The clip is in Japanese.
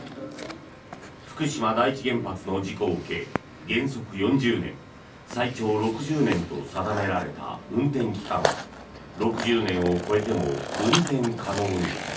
福島第一原発の事故を受け原則４０年、最長６０年と定められた運転期間は６０年を超えても運転可能に。